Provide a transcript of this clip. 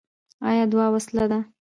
آیا دعا وسله ده؟